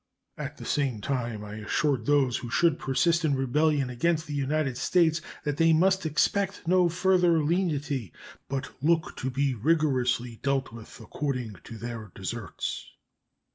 At the same time I assured those who should persist in rebellion against the United States that they must expect no further lenity, but look to be rigorously dealt with according to their deserts.